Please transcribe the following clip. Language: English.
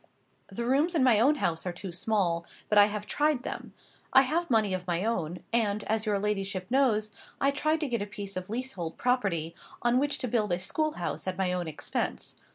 The rooms in my own house are too small; but I have tried them. I have money of my own; and, as your ladyship knows, I tried to get a piece of leasehold property, on which to build a school house at my own expense.